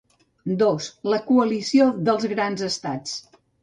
Dos- La coalició dels grans estats.